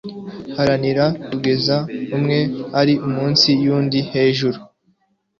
haranira kugeza umwe ari munsi yundi hejuru